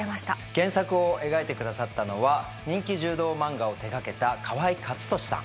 原作を描いてくださったのは人気柔道漫画を手がけた河合克敏さん。